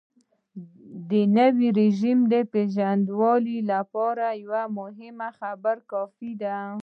د نوي رژیم د پېژندلو لپاره یوه خبره کافي ده.